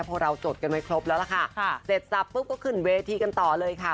พอเราจดกันไว้ครบแล้วล่ะค่ะเสร็จสับปุ๊บก็ขึ้นเวทีกันต่อเลยค่ะ